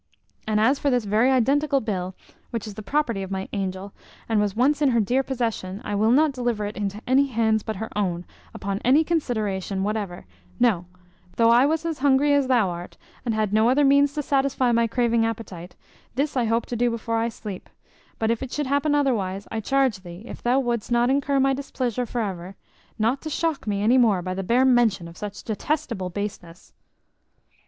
And as for this very identical bill, which is the property of my angel, and was once in her dear possession, I will not deliver it into any hands but her own, upon any consideration whatever, no, though I was as hungry as thou art, and had no other means to satisfy my craving appetite; this I hope to do before I sleep; but if it should happen otherwise, I charge thee, if thou would'st not incur my displeasure for ever, not to shock me any more by the bare mention of such detestable baseness."